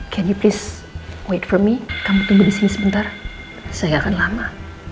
can you please wait for me kamu tunggu disini sebentar saya nggak akan lama